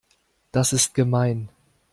Das ist gemein.